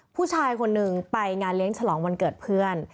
ผู้ชายคนหนึ่งไปงานเลี้ยงฉลองวันเกิดเพื่อน